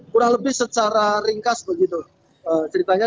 kurang lebih secara ringkas begitu ceritanya